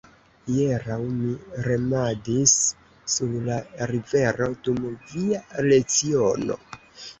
Hieraŭ mi remadis sur la rivero dum via leciono.